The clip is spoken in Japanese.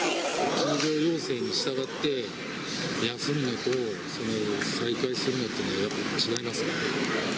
休業要請に従って休むのと、再開するのっていうのはやっぱり違いますか？